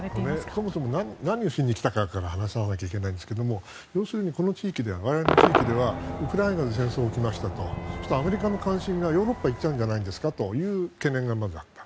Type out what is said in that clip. そもそも何をしに来たかから話さなきゃいけないんですが要するにこの地域ではウクライナで戦争が起きましたとそしたらアメリカの関心がヨーロッパに行っちゃうという懸念があった。